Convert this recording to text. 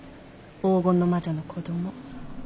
黄金の魔女の子供。